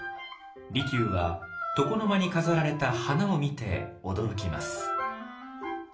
利休は床の間に飾られた花を見て驚きます。